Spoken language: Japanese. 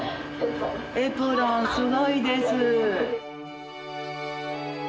エプロンすごいです！